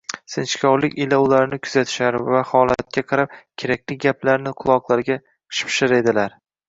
Sinchkovlik ila ularni kuzatishar va holatga qarab “kerakli” gaplarni quloqlariga shipshir edilar.